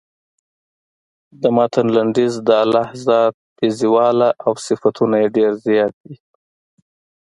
د متن لنډیز د الله ذات بې زواله او صفتونه یې ډېر زیات دي.